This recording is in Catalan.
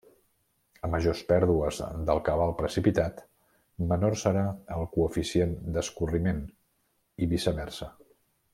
A majors pèrdues del cabal precipitat, menor serà el coeficient d'escorriment, i viceversa.